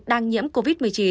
đang nhiễm covid một mươi chín